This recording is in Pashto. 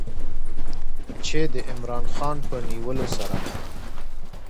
چې د عمران خان په نیولو سره